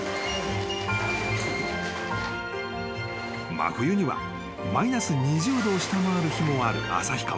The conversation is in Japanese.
［真冬にはマイナス２０℃を下回る日もある旭川］